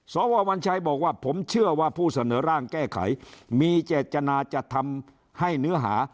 สววัญชัยบอกว่าผมเชื่อว่าผู้เสนอร่างแก้ไขมีเจตนาจะทำให้เนื้อหา